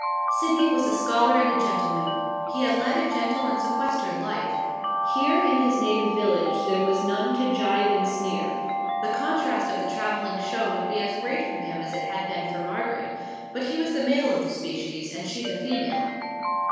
Sydney was a scholar and a gentleman. He had led a gentle and sequestered life. Here in his native village there were none to gibe and sneer. The contrast of the traveling show would be as great for him as it had been for Margaret, but he was the male of the species, and she the female.